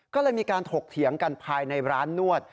ก็เลยมีการถกเถียงกันภายในร้านนวด